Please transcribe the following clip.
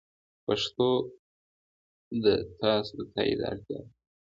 پښتو د تاسو د تایید اړتیا لري.